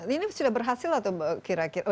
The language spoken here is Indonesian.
ini sudah berhasil atau kira kira